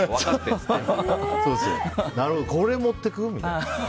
これを持ってく？みたいな。